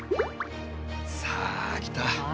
さあ来た。